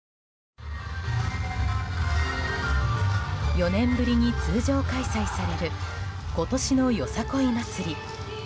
４年ぶりに通常開催される今年の、よさこい祭り。